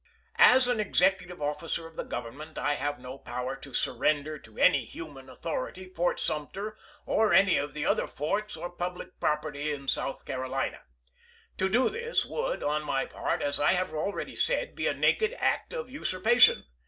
As an executive officer of the Government, I have no power to surrender, to any human authority, Fort Sumter or any of the other forts or public property in South Carolina. To do this would, on my part, as I have al ready said, be a naked act of usurpation.